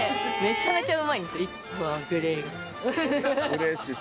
うれしい。